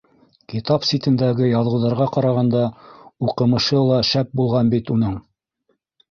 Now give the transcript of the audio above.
Китап ситтәрендәге яҙыуҙарға ҡарағанда, уҡымышы ла шәп булған бит уның!